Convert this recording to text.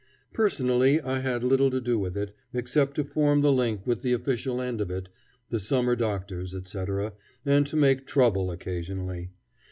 Personally I had little to do with it, except to form the link with the official end of it, the summer doctors, etc., and to make trouble occasionally.